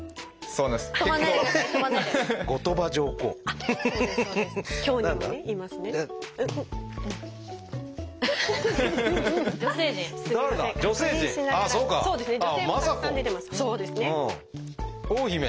そうですね。